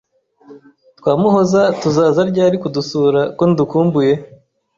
Twa Muhoza tuzaza ryari kudusura kondukumbuye